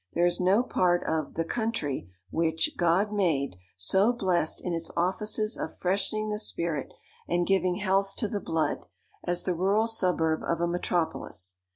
There is no part of "the country" which "God made" so blest in its offices of freshening the spirit, and giving health to the blood, as the rural suburb of a metropolis.